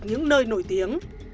những nơi nổi tiếng